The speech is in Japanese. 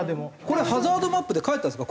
これハザードマップで書いてあるんですか？